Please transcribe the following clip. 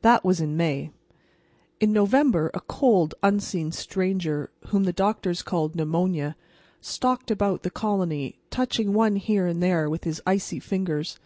That was in May. In November a cold, unseen stranger, whom the doctors called Pneumonia, stalked about the colony, touching one here and there with his icy fingers.